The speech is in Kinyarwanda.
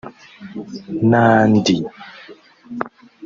n’andi’